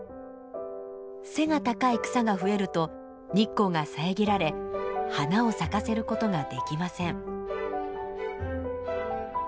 背が高い草が増えると日光が遮られ花を咲かせることができません。